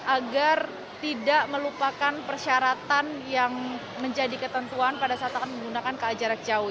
agar tidak melupakan persyaratan yang menjadi ketentuan pada saat akan menggunakan ka jarak jauh